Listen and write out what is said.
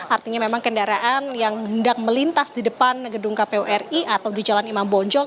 artinya memang kendaraan yang hendak melintas di depan gedung kpu ri atau di jalan imam bonjol